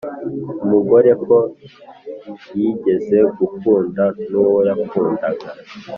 umugore ko yigeze gukunda nuwo yakundaga -